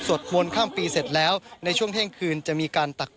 มนต์ข้ามปีเสร็จแล้วในช่วงเที่ยงคืนจะมีการตัก